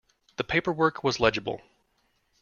The paperwork was legible.